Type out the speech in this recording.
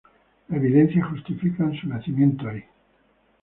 Las evidencias justifican su nacimiento ahí.